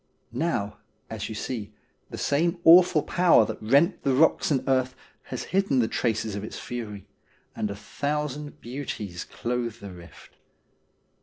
Now, as you see, the same awful power that rent the rocks and earth has hidden the traces of its fury, and a thousand beauties clothe the rift.